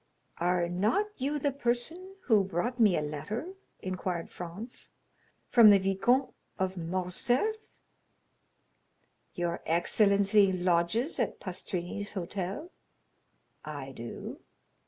"Are not you the person who brought me a letter," inquired Franz, "from the Viscount of Morcerf?" "Your excellency lodges at Pastrini's hotel?" "I do."